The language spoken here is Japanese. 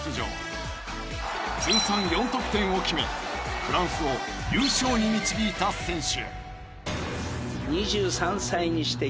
通算４得点を決めフランスを優勝に導いた選手。